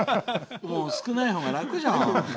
少ないほうが楽じゃん。